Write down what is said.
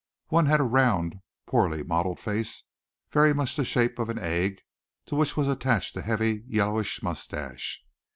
One had a round, poorly modeled face very much the shape of an egg, to which was attached a heavy yellowish mustache.